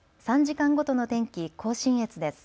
３時間ごとの天気、甲信越です。